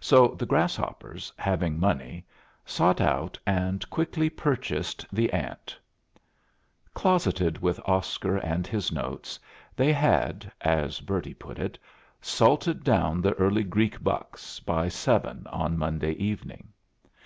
So the grasshoppers, having money, sought out and quickly purchased the ant. Closeted with Oscar and his notes, they had, as Bertie put it, salted down the early Greek bucks by seven on Monday evening.